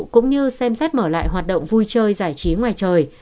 cũng như xem xét mở lại hoạt động vui chơi giải trí ngoài trời